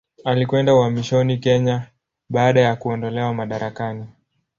Alikwenda uhamishoni Kenya baada ya kuondolewa madarakani.